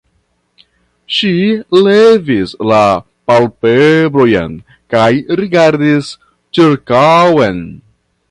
Ŝi levis la palpebrojn kaj rigardis ĉirkaŭen.